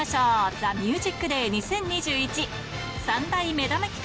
ＴＨＥＭＵＳＩＣＤＡＹ２０２１。